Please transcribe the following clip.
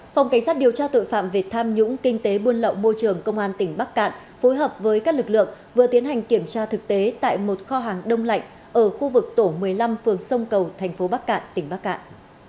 phòng cảnh sát điều tra tội phạm về tham nhũng kinh tế buôn lậu môi trường công an tỉnh bắc cạn phối hợp với các lực lượng vừa tiến hành kiểm tra thực tế tại một kho hàng đông lạnh ở khu vực tổ một mươi năm phường sông cầu tp bắc cạn tỉnh bắc cạn